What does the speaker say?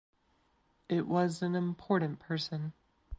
It was an important person.